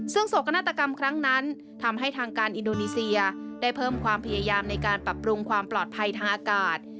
ซึ่งโศกนาฏกรรมครั้งนั้นทำให้ทางการอินโดนีเซียได้เพิ่มความพยายามในการปรับปรุงความปลอดภัยทางอากาศ